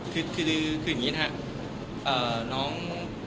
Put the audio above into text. คือคือคือคืออย่างงี้นะฮะเอ่อน้อง